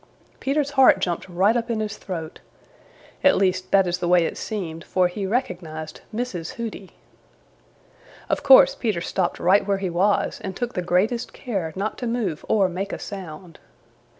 Peter's heart jumped right up in his throat. At least that is the way it seemed, for he recognized Mrs. Hooty. Of course Peter stopped right where he was and took the greatest care not to move or make a sound.